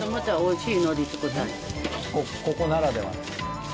ここならではの。